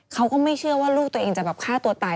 เขาก็ไม่เชื่อว่าลูกตัวเองจะแบบฆ่าตัวตาย